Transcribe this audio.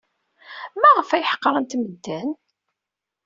Maɣef ay ḥeqrent medden?